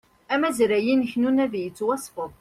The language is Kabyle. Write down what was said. Amazray-inek n unadi yettwasfed